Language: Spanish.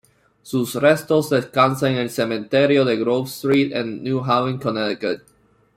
Sus restos descansan en el Cementerio de Grove Street, en New Haven, Connecticut.